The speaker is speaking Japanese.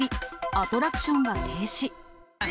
アトラクションが停止。